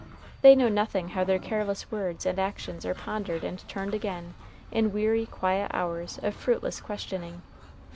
They know nothing how their careless words and actions are pondered and turned again in weary, quiet hours of fruitless questioning.